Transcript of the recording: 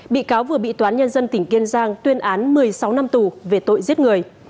bị cáo vừa bị toán nhân dân tỉnh kiên giang tuyên án một mươi sáu năm tù về tội giết người